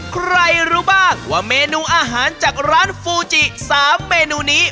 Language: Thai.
ใครรู้บ้างว่าเมนูอาหารจากร้านฟูจิ๓เมนูนี้